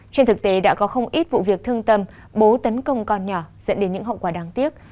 trên thực tế đã có không ít vụ việc thương tâm bố tấn công con nhỏ dẫn đến những hậu quả đáng tiếc